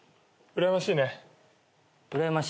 うらやましい？